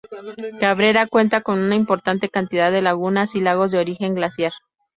Cabrera cuenta con una importante cantidad de lagunas y lagos de origen glaciar.